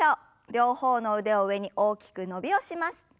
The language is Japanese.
両方の腕を上に大きく伸びをします。